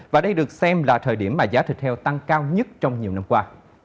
và đây được xem là thời điểm mà giá thịt heo tăng cao nhất trong nhiều năm qua